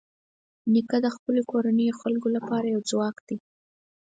نیکه د خپلو کورنیو خلکو لپاره یو ځواک دی.